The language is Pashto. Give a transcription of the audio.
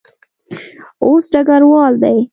اوس ډګروال دی.